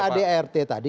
kalau bicara adrt tadi